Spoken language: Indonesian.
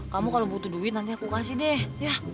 kamu kalau butuh duit nanti aku kasih deh ya